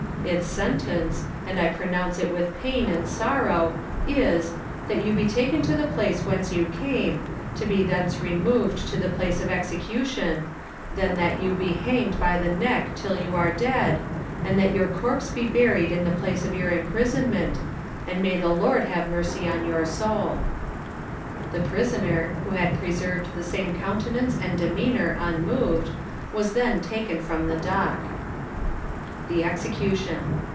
Its sentence, and I pronounce it with pain and sorrow, is, that you be taken to the place whence you came, to be thence removed to the place of execution, then that you be hanged by the neck till you are dead, and that your corpse be buried in the place of your imprisonment, and may the Lord have mercy on your soul. The prisoner, who had preserved the same coutenance and demeanour unmoved, was then taken from the dock. THE EXECUTION.